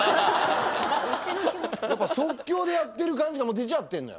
即興でやってる感じが出ちゃってんのよ。